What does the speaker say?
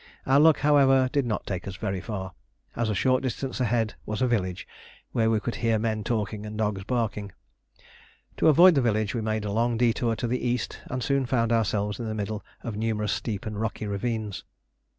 Our luck, however, did not take us very far, as a short distance ahead was a village where we could hear men talking and dogs barking. To avoid the village we made a long detour to the east and soon found ourselves in the middle of numerous steep and rocky ravines.